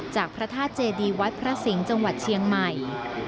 พระธาตุเจดีวัดพระสิงห์จังหวัดเชียงใหม่